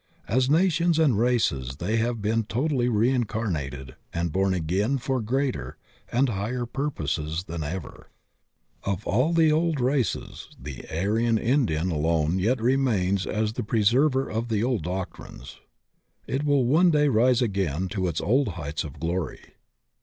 As nations and races they have been totally reincarnated and bom again for greater and higher purposes than ever. Of all the old races the Aryan Indian alone yet remains as the preserver of the 86 THE OCEAN OF THEOSOPHY old doctrines. It will one day rise again to its old heights of glory.